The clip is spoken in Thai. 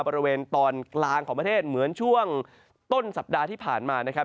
บริเวณตอนกลางของประเทศเหมือนช่วงต้นสัปดาห์ที่ผ่านมานะครับ